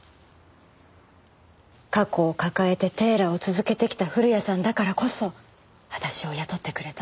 過去を抱えてテーラーを続けてきた古谷さんだからこそ私を雇ってくれた。